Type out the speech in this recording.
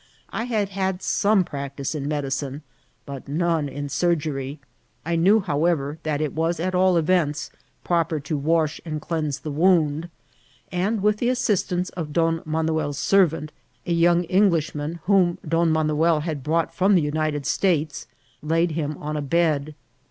I had had some practice in medicine, but ncMie in surgery; I knew, however, that it was at all events proper to wash and cleanse the wound, and with the assistance of Don Manuel's servant, a young Englishman whom Don Manuel had brought from the United States, laid him on a bed.